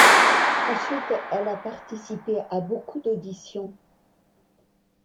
Ensuite, elle a participé à beaucoup d’auditions.